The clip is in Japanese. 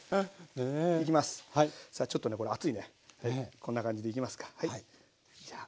こんな感じでいきますか。